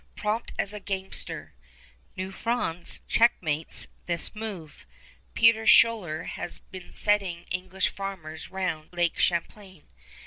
Prompt as a gamester, New France checkmates this move. Peter Schuyler has been settling English farmers round Lake Champlain.